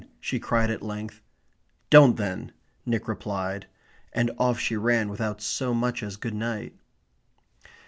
she cried at length. "Don't, then," Nick replied, and off she ran without so much as good night.